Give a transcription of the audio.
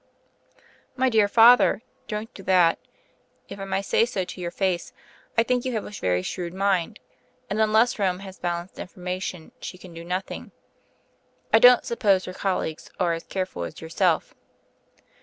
"My dear father, don't do that. If I may say so to your face, I think you have a very shrewd mind; and unless Rome has balanced information she can do nothing. I don't suppose your colleagues are as careful as yourself."